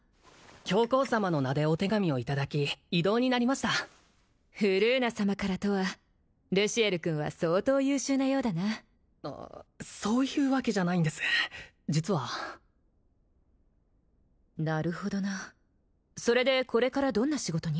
教皇様の名でお手紙をいただき異動になりましたフルーナ様からとはルシエル君は相当優秀なようだなそういうわけじゃないんです実はなるほどなそれでこれからどんな仕事に？